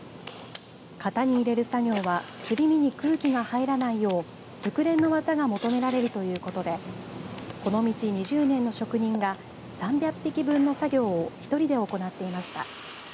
型に入れる作業はすり身に空気が入らないよう熟練の技が求められるということでこの道２０年の職人が３００匹分の作業を１人で行っていました。